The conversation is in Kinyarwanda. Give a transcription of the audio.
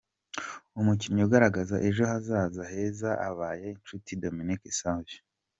Umukinnyi ugaragaza ejo hazaza heza abaye Nshuti Dominique Savio.